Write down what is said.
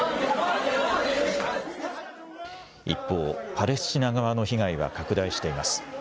一方、パレスチナ側の被害は拡大しています。